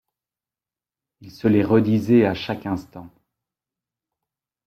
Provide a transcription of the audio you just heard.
Il se les redisait à chaque instant.